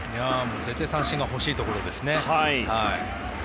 絶対、三振が欲しいところですね。